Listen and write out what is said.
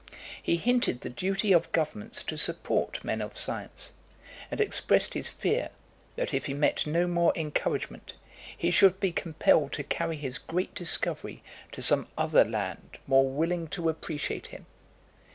He hinted the duty of governments to support men of science, and expressed his fear, that if he met no more encouragement, he should be compelled to carry his great discovery to some other land more willing to appreciate him.